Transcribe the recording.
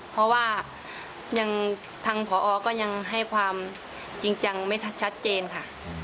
เพราะว่าทางผอก็ยังให้ความจริงจังไม่ชัดเจนค่ะ